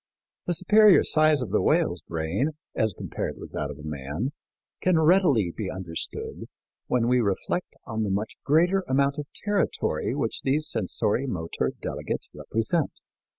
The superior size of the whale's brain, as compared with that of man, can readily be understood when we reflect on the much greater amount of territory which these sensori motor delegates represent.